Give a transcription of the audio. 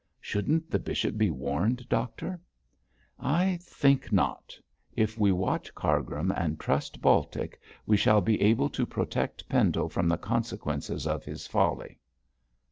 'Shouldn't the bishop be warned, doctor?' 'I think not. If we watch Cargrim and trust Baltic we shall be able to protect Pendle from the consequences of his folly.'